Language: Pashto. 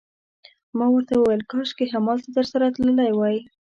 ما ورته وویل: کاشکي همالته درسره تللی وای.